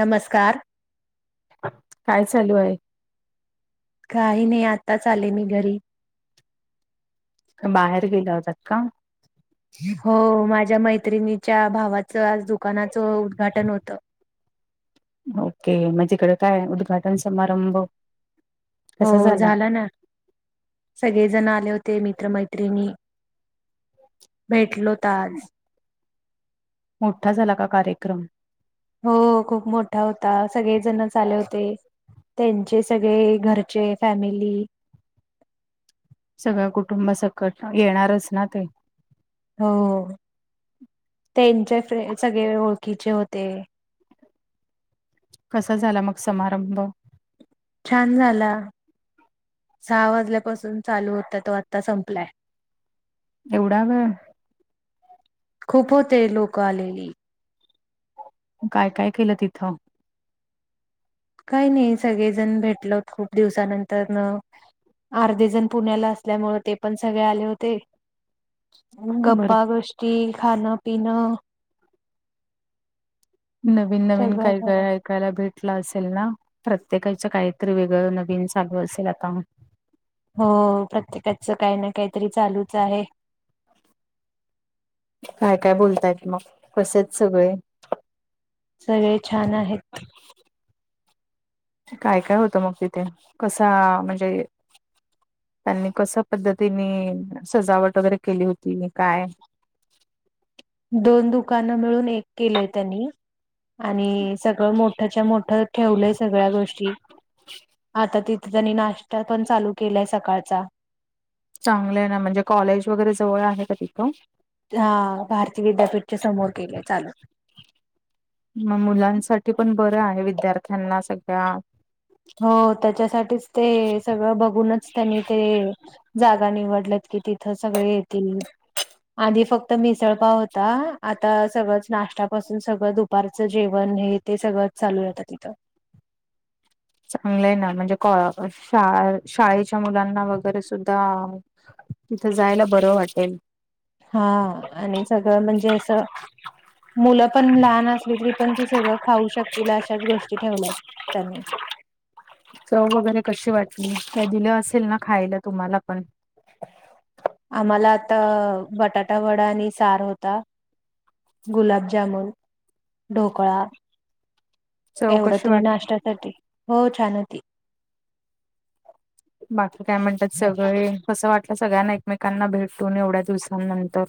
नमस्कार काय चालू आहे काही नाही आताच आले मी घरी बाहेर गेल्या होतात का हो माझ्या मैत्रिणीच्या भावाचं आज दुकानाचं उद्घाटन होतं ओके मग तकडे काय उद्घाटन समारंभ हो झाला ना सगळे जण आले होते मित्रमैत्रिणी भेटलो तास मोठा झाला का कार्यक्रम हो खूप मोठा होता सगळे जण चाले होते त्यांचे सगळे घरचे फॅमिली सगळ कुटुंब सकट येणारच ना ते हो त्यांचे फे सगळे ओळखीचे होते कसा झाला मग समारंभ. छान झाला. सहा वाजल्यापासून चालू होता तो आत्ता संपलाय. एवढा व. खूप होते लोक आलेली. काय काय केलं तिथं. काही नाही सगळेजण भेटल हो खूप दिवसानंतर न. अर्धे जण पुण्याला असल्यामु ते पण सगळे आले होते. भर गप्पा गोष्टी खाणं पिणं. नवीन नवीन सगळं काही झालं. वेळ आहेत. सला भेटलं असेल ना प्रत्येकाच्या काहीतरी वेगळं नवीन चालू असेल आता. हो प्रत्येकाच काही ना काहीतरी चालूच आहे. काय काय बोलतायत मग कसेच सगळे. सगळे छान आहेत. काय काय होतं मग तिथे कसा म्हणजे. त्यांनी कस पद्धतीने सजावट वगैरे केली होती काय. दोन दुकानं मिळून एक केलेय त्यांनी. आणि सगळं मोठ्याच्या मोठं ठेवलंय सगळ्या गोष्टी. आता तिथे त्यांनी नाश्ता पण चालू केलाय सकाळचा. चांगले ना म्हणजे कॉलेज वगैरे जवळ आहे का तिथं. हा भारतीय विद्यापीठच्या समोर केले चालू. मग मुलांसाठी पण बरं आहे विद्यार्थ्यांना सगळ्या. हो त्याच्यासाठीच ते सगळं बघूनच त्यांनी ते. जागा निवडल्यात की तिथं सगळे येतील. आधी फक्त मिसळपाव होता आता सगळंच नाश्त्यापासून सगळं दुपारचं जेवण हे. ते सगळंच चालू आहेतं तिथं. चांगलंय ना म्हणजे क श शाळेच्या मुलांना वगैरे सुद्धा. तिथं जायला बरं वाटेल. हा आणि सगळं म्हणजे असं. मुलं पण लहान असली तरी पण ती सगळं खाऊ शकतील अशाच गोष्टी ठेवल्यात त्यांनी. चव वगैरे कशी वाटली का दिलं असेल ना खायला तुम्हाला पण. आम्हाला आता बटाटा वडा आणि सार होता. गुलाबजामुन ढोकळा. चव एवढं त कशी नाही वाटली? नाश्त्यासाठी हो छान होती. बाकी काय म्हणतात सगळे कसं वाटलं सगळ्यांना एकमेकांना भेटून एवढ्या दिवसांनंतर.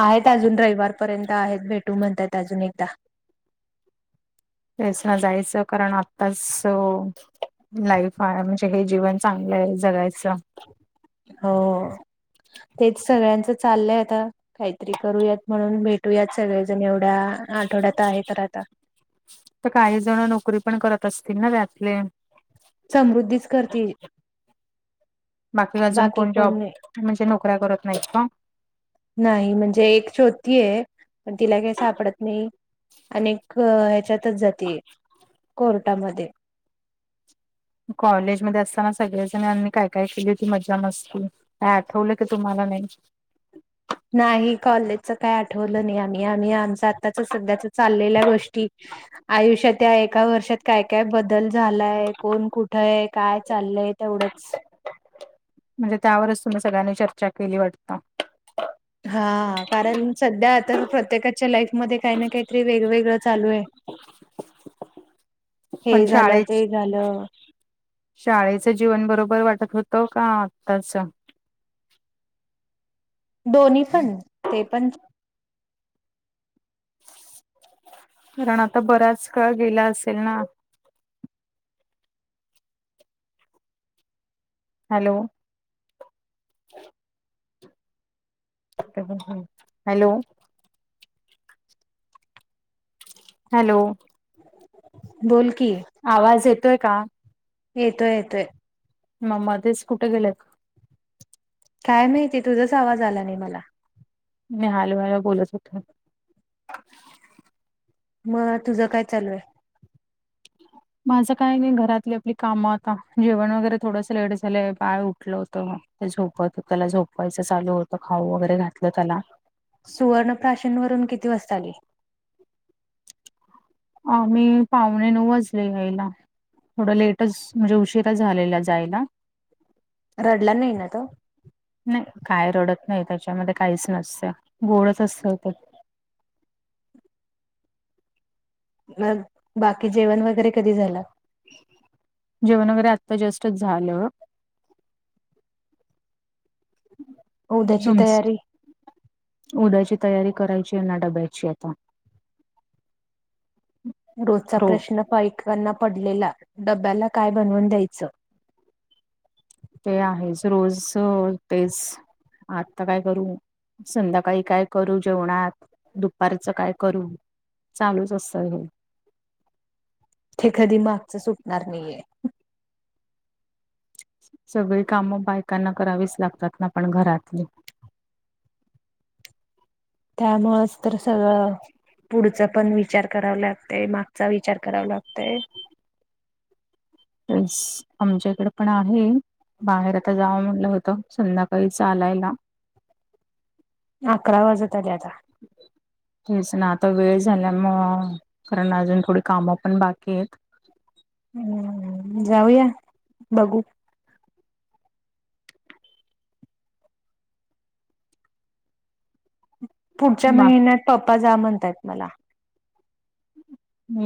आहेत अजून रविवारपर्यंत आहेत भेटू म्हणतात अजून एकदा. तेस ना जायचं कारण आत्ताच. लाईफ आहे म्हणजे हे जीवन चांगलं आहे जगायचं. हो तेच सगळ्यांच चाललंय आता काहीतरी करूयात म्हणून भेट. ू यात सगळे जण एवढ्या आठवड्यात आहे तर आता. तर काही जण नोकरी पण करत असतील ना त्यातले. समृद्धीच करतील बाकी कोण नाही. म्हणजे नोकऱ्या करत नाहीत का. नाही म्हणजे एक शछोती आहे पण तिला काही सापडत नाही. अनेक ह्याच्यातच जाते कोर्टामध्ये. कॉलेजमध्येध्ये असताना सगळेजण आ्नी काय काय केली होती मजा मस्ती. ह आठवलं की तुम्हाला नाही. नाही कॉलेजच काय आठवलं नाही आम्ही आम्ही आम. आता सगळ्या चालल्या गोष्टी आयुष्यात. त्या एका वर्षात काय काय बदल झालाय कोण कुठं आहे काय चाललंय तेवढंच. म्हणजे त्यावरच तुम्ही सगळ्यांनी चर्चा केली वाटता हा कारण सध्या आता प्रत्येकाच्या लाईफमध्येध्ये काही ना काहीतरी वेगवेगळं चालू आहे पण हे झालं शाळेच ते झालं शाळेचं जीवन बरोबर वाटत होतं का आत्ताच दोन्ही पण ते पण कारण आता बराच काळ गेला असेल ना हॅलो [inaudible] हॅलो हॅलो बोल की आवाज येतोय का येतोय येतोय मग मध्येच कुठे गेलेत काय माहितीय तुझाच आवाज आला नाही मला मी हलो हल बोलत होत मग तुझं काय चालू आहे [inaudible] माझं काही नाही घरातली आपली कामं आता जेवण वगैरे थोडंसं लेट झालंय बाळ उठलं होतं झोपत त्याला झोपवायचं चालू होतं खाऊ वगैरे घातलं त्याला सुवर्णप्राशीनवरून किती वाजता आली आ मी पाहुणे नऊ वाचले यायला थोडं लेटच म्हणजे उशीिरा झालेला जायला रडला नाही ना तो नाही काय रडत नाही त्याच्यामध्ये काहीच नसतं गोडच असतं ते मग बाकी जेवण वगैरे कधी झालं जेवण वगैरे आत्ता जास्तच झालं [inaudible] म तयारी उड्याची तयारी करायची आहेना डब्याची आता रोजचा रो प्रश्न पाईकांना पडलेला डब्याला काय बनवून द्यायचं ते आहेच रोजच तेच आत्ता काय करू संध्याकाळी काय करू जेवणात दुपारचं काय करू चालूच असत हे हे कधी मागचं सुटणार नाहीये. सगळी काम बायकांना करावीच लागतात ना पण घरातली त्यामुळेंच तर सगळं पुढचा पण विचार करावा लागतय मागचा विचार करावा लागतय आमच्या इकडे पण आहे बाहेर आता जावं म्हटलं होत संध्याकाळ काही चालायला अकरा वाजत आले आता. तेच ना आता वेळ झाल्या म कारण अजून थोडी कामं पण बाकी आहेत हम्म जाऊया बघू पुढच्या महिन्यात पप्पा जा म्हणतायत मला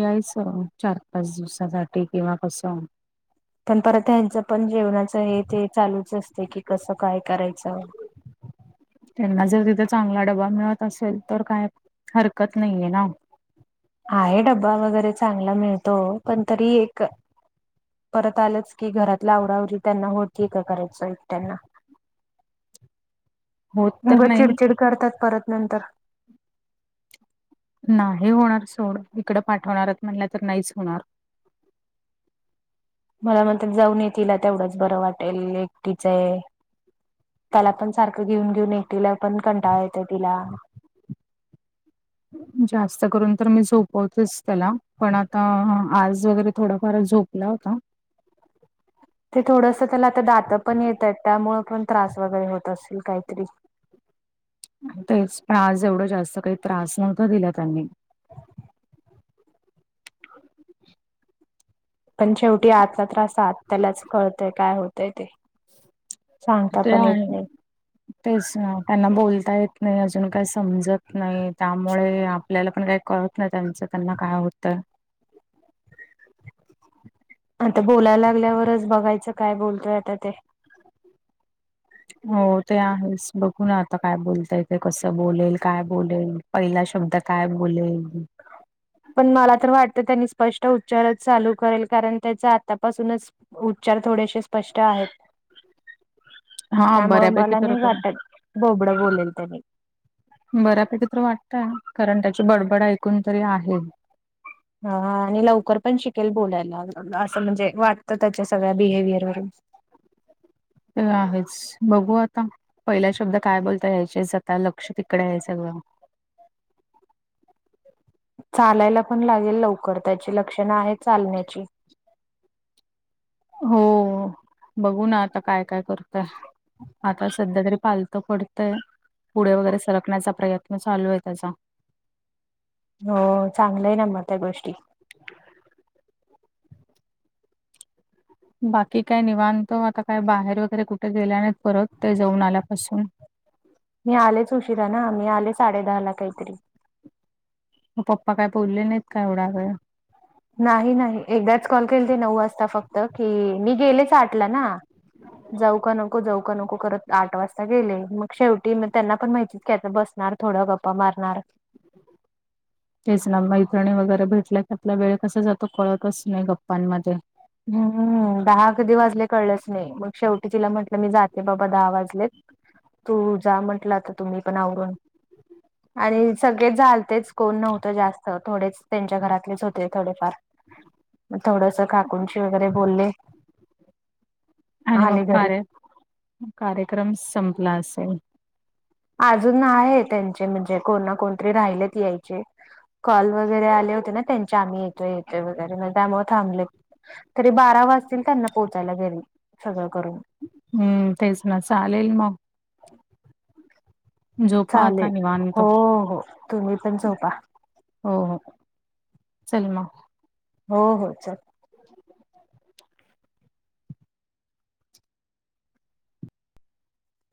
यायचं चार पाच दिवसासाठी किंवा कस पण परत ह्यांचं पण जेवणाच हे ते चालूच असते की कसं काय करायचं. त्यांना जर तिथे चांगला डबा मिळत असेल तर काय हरकत नाहीये ना. आहे डब्बा वगैरे चांगला मिळतो पण तरी एक परत आलंच की घरातल्या आवराआवरी त्यांना होती का करायच एक त्यांना होत तर नाही. चिडचिड करतात परत नंतर नाही होणार सोड इकडं पाठवणारच म्हणलं तर नाहीच होणार. मला म्हणत्यात जाऊन ये तिला तेवढंच बरं वाटेल एकटीचं आहे. त्याला पण सारखं घेऊन घेऊन एकिला पण कंटाळा येतं तिला. जास्त करून तर मी झोपवतच त्याला पण आता आज वगरे थोडंफार झो पला होता. ते थोडंस त्याला आता दात पण येतात त्यामुळ पण त्रास वगैरे होत असेल काहीतरी. तेच ते आज एवढं जास्त काही त्रास नव्हता दिला त्यांनी पण शेवटी आतला त्रास आत त्यालाच कळतय काय होतय ते. सांगता ते पण येत आहे. [unintelligible] तेच ना त्यांना बोलता येत नाही अजून काही समजत नाही त्यामुळे आपल्याला पण काही कळत नाही त्यांचं त्यांना काय होतंय. आता बोलाय लागल्यावरच बघायचं काय बोलतोय आता ते. हो ते आहेच बघू ना आता काय बोलता येतंय कसं बोलेल, काय बोलेल. पहिला शब्द काय बोलेल? पण मला तर वाटतं त्यांनी स्पष्ट उच्चारच चालू करेल कारण त्याचा आतापासूनच उच्चार थोडेसे स्पष्ट आहेत. हा त्यामुळें बऱ्यापैकी मला तर नाही तो वाटत बोबड बोलेल त्यानी बऱ्यापैकी तर वाटतय कारण त्याची बडबड ऐकून तरी आहे. हा आणि लवकर पण शिकेल बोलायला असं म्हणजे वाटतं त्याच्या सगळ्या बिहेवियर वरून. ते आहेच बघू आता. पहिला शब्द काय बोलताय यायचेच आता लक्ष तिकडे आहे सगळं. चालायला पण लागेल लवकर त्याची लक्षणं आहेत चालण्याची. हो बघू ना आता काय काय करतय आता सध्या तरी पाल त पडतय पुढे वगैरे सरकण्याचा प्रयत्न चालू आहे त्याचा. हो चांगलं आहे ना मग त्या गोष्टी. [unintelligible] बाकी काय निवांत ओ आता काय बाहेर वगैरे कुठे गेल्या नाहीत परत ते जाऊन आल्यापासून. मी आलेच उशिरा ना मी आले साडे दहा ला काहीतरी. मग पप्पा काय बोलले नाहीत का एवढा वेळ? नाही-नाही एकदाच कॉल केल ते नऊ वाजता फक्त की, मी गेलेच आटला ना जाऊ का नको जाऊ का नको करत आठ वाजता गेले मग शेवटी मग त्यांना पण माहिती की आता बसणार. थोडं गप्पा मारणार. तेच ना मैत्रिणी वगैरे भेटल्या की आपला वेळ कसा जातो कळतच नाही गप्पांमध्ये. हम्म दहा कधी वाजले कळलंच नाही मग शेवटी तिला म्हंटलं मी जाते बाबा दहा वाजलेत. तू जा म्हंटला आता तुम्ही पण आवरून. आणि सगळे झालतेच कोण नव्हतं जास्त थोडेच त्यांच्या घरातलेच होते थोडेफार. म थोडस काकुंची वगैरे बोलले. आणि मग आले घरी कार्य कार्यक्रम संपला असेल. अजून आहे त्यांचे म्हणजे कोण ना कोणतरी राहिलेत यायचे. कॉल वगैरे आले होते ना त्यांचे आम्ही येतोय-येतोय वगैरे मग त्यामुळे थांबलेत. तरी बारा वाजतील त्यांना पोहोचायला घरी सगळं करून. हम्म तेच ना चालेल मग. झोपा आता चालेल निवांत. हो हो तुम्ही पण झोपा. होहो चल मग. हो हो चल. [unintelligible]